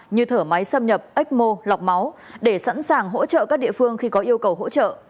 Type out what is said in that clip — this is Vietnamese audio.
như thở máy xâm nhập ếch mô lọc máu để sẵn sàng hỗ trợ các địa phương khi có yêu cầu hỗ trợ